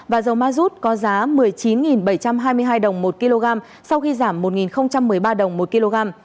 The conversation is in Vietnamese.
và dầu ma rút có giá một mươi chín bảy trăm hai mươi hai đồng một kg sau khi giảm một một mươi ba đồng một kg